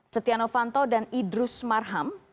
setia novanto dan idrus marham